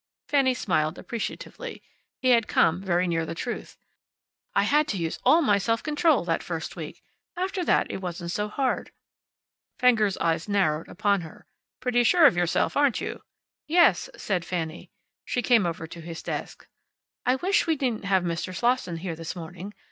Fanny smiled, appreciatively. He had come very near the truth. "I had to use all my self control, that first week. After that it wasn't so hard." Fenger's eyes narrowed upon her. "Pretty sure of yourself, aren't you?" "Yes," said Fanny. She came over to his desk. "I wish we needn't have Mr. Slosson here this morning.